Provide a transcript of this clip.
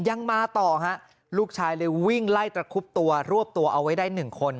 ยังมาต่อฮะลูกชายเลยรวบตัวเอาไว้ได้๑คน